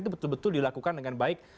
itu betul betul dilakukan dengan baik